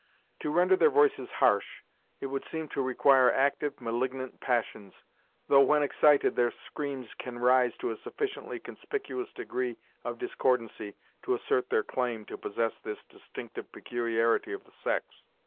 To render their voices harsh, it would seem to require active, malignant, passions, though, when excited, their screams can rise to a sufficiently conspicuous degree of discordancy to assert their claim to possess this distinctive peculiarity of the sex.